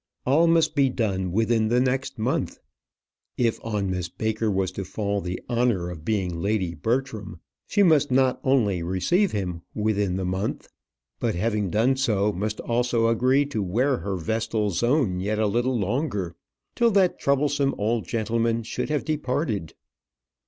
All must be done within the next month. If on Miss Baker was to fall the honour of being Lady Bertram, she must not only receive him within the month, but, having done so, must also agree to wear her vestal zone yet a little longer, till that troublesome old gentleman should have departed.